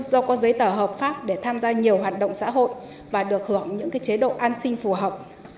do có giấy tờ hợp pháp để tham gia nhiều hoạt động xã hội và được hưởng những chế độ an sinh phù hợp